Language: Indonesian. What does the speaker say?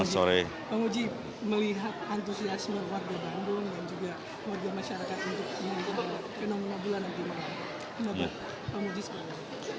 pak muji melihat antusiasme warga bandung dan juga warga masyarakat untuk mengikuti fenomena bulan nanti malam